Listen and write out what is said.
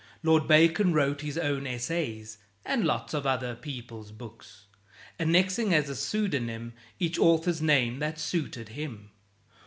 Lord Bacon wrote his own essays, And lots of other people's books; Annexing as a pseudonym Each author's name that suited him.